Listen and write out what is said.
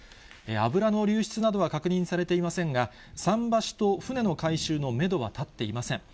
油の流出などは確認されていませんが、桟橋と船の回収のメドは立っていません。